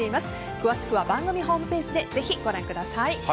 詳しくは番組ホームページでぜひご覧ください。